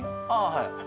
はい。